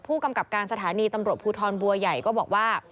ผู้กำกับการสถานีตำรวจภูทรบัวใหญ่ก็บอกว่า